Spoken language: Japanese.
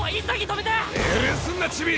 命令すんなチビ！